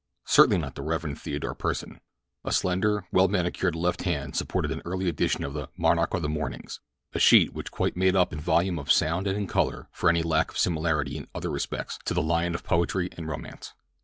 Certainly not the Rev. Theodore Pursen. A slender, well manicured left hand supported an early edition of the "Monarch of the Mornings," a sheet which quite made up in volume of sound and in color for any lack of similarity in other respects to the lion of poetry and romance.